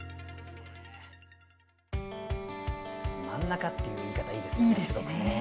真ん中っていう言い方いいですね。